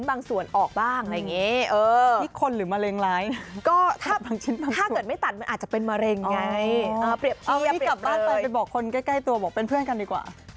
เอาอย่างนี้กลับได้ไปไปบอกคนใกล้ตัวบอกเป็นเพื่อนกันดีกว่า